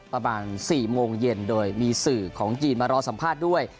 ประมาณ๔โมงเย็นโดยมีสื่อของจีนมารอสัมภาษณ์ด้วย